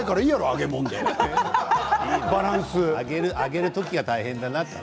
揚げる時が大変だなと。